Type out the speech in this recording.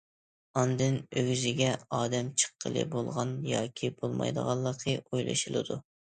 ئاندىن ئۆگزىگە ئادەم چىققىلى بولىدىغان ياكى بولمايدىغانلىقى ئويلىشىلىدۇ.